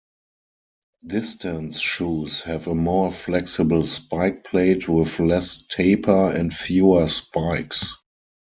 Distance shoes have a more flexible spike plate with less taper and fewer spikes.